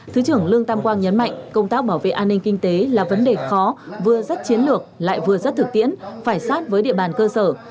thứ trưởng lương tam quang nhấn mạnh công tác bảo vệ an ninh kinh tế là vấn đề khó vừa rất chiến lược lại vừa rất thực tiễn phải sát với địa bàn cơ sở